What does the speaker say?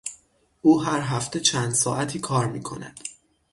او هر هفته چند ساعتی کار میکند.